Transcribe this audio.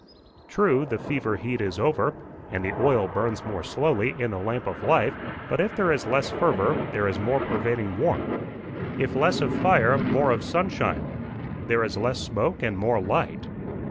True, the fever heat is over, and the oil burns more slowly in the lamp of life; but if there is less fervour, there is more pervading warmth; if less of fire, more of sunshine; there is less smoke and more light.